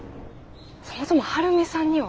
そもそも晴美さんには？